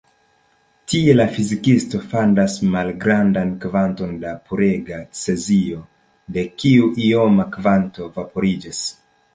Tie la fizikistoj fandas malgrandan kvanton da purega cezio, de kiu ioma kvanto vaporiĝas.